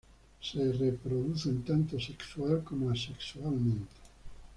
Se reproducen tanto sexual como asexualmente.